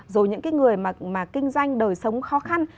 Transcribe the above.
rồi những cái người mà kinh doanh đời sống khó khăn